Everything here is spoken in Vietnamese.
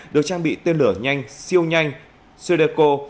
được trang bị tên lửa nhanh siêu nhanh sedeco